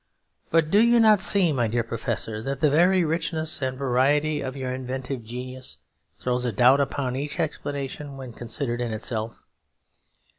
But do you not see, my dear Professor, that the very richness and variety of your inventive genius throws a doubt upon each explanation when considered in itself?